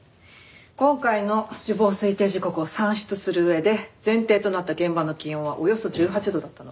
今回の死亡推定時刻を算出する上で前提となった現場の気温はおよそ１８度だったの。